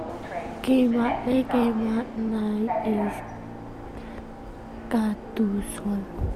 Keimah le keimah nam in kaa tu sual.